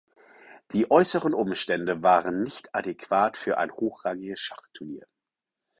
Die äußeren Umstände waren nicht adäquat für ein hochrangiges Schachturnier.